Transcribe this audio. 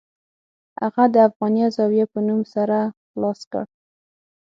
هغه د افغانیه زاویه په نوم سر خلاص کړ.